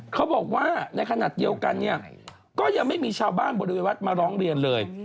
เขาบอกว่าในขณะเดียวกันเนี่ยก็ยังไม่มีชาวบ้านบริเวณวัดมาร้องเรียนเลย